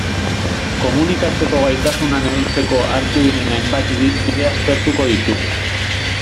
Komunikatzeko gaitasuna neurtzeko hartu diren hainbat irizpide aztertuko ditugu.